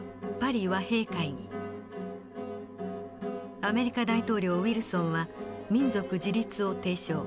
アメリカ大統領ウィルソンは民族自立を提唱。